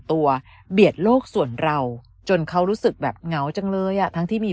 เบียดโลกส่วนเราจนเขารู้สึกแบบเหงาจังเลยอ่ะทั้งที่มี